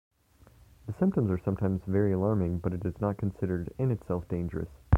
The symptoms are sometimes very alarming but it is not considered in itself dangerous.